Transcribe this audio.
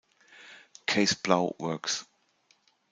Case Plow Works".